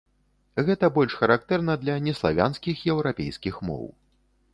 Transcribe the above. Гэта больш характэрна для неславянскіх еўрапейскіх моў.